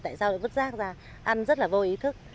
tại sao lại vứt rác ra ăn rất là vô ý thức